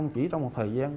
chỉ trong một thời gian